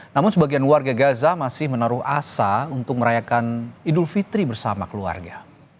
namun sebagian warga gaza masih menaruh asa untuk merayakan idul fitri bersama keluarga